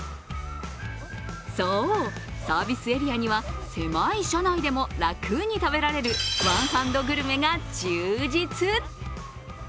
そう、サービスエリアには狭い車内でも楽に食べられるワンハンドグルメが充実。